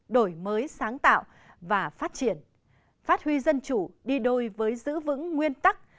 đổi mới sáng tạo và phát triển phát huy dân chủ đi đôi với giữ vững nguyên tắc